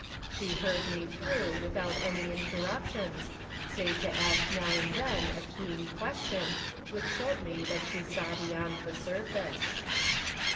She heard me tlirough without many interruptions, save to ask now and then a keen question, which showed me that she saw beyond the surface.